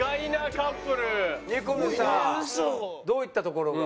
どういったところが？